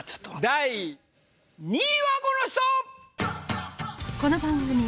第２位はこの人！